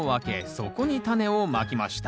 そこにタネをまきました。